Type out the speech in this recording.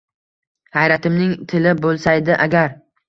Hayratimning tili bo’lsaydi agar